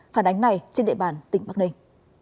phản ánh này trên địa bàn tỉnh bắc ninh